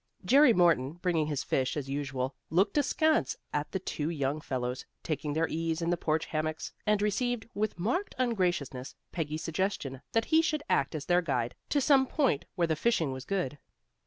Jerry Morton bringing his fish as usual, looked askance at the two young fellows, taking their ease in the porch hammocks, and received with marked ungraciousness Peggy's suggestion that he should act as their guide to some point where the fishing was good.